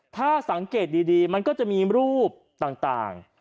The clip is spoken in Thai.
ถ้าสังเกตดีมันก็จะมีรูปต่าง